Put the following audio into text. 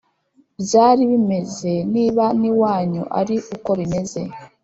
byari bimeze Niba n iwanyu ari uko bimeze